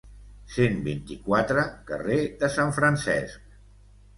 Cent vint-i-quatre Carrer de Sant Francesc.